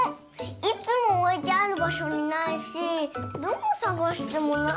いつもおいてあるばしょにないしどこさがしてもないの。